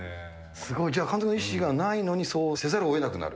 すごい、じゃあ監督の意思がないのにそうせざるをえなくなる。